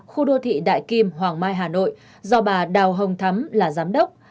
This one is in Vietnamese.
khu đô thị đại kim hoàng mai hà nội do bà đào hồng thắm là giám đốc